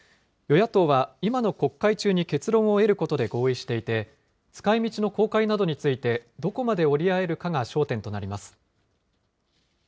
与野党は今の国会中に結論を得ることで合意していて、使いみちの公開などについてどこまで折り合えるかが焦点となります。